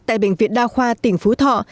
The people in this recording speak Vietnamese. tại bệnh viện đa khoa tỉnh phú thọ